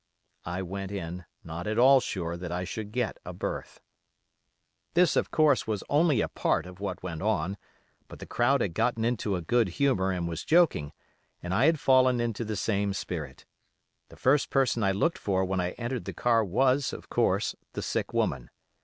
I went in, not at all sure that I should get a berth. "This, of course, was only a part of what went on, but the crowd had gotten into a good humor and was joking, and I had fallen into the same spirit. The first person I looked for when I entered the car was, of course, the sick woman.